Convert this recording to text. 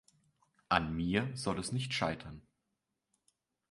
An mir soll es nicht scheitern.